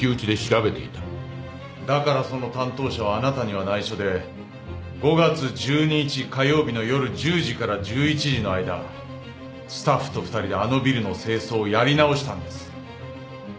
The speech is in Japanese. だからその担当者はあなたには内緒で５月１２日火曜日の夜１０時から１１時の間スタッフと２人であのビルの清掃をやり直したんです。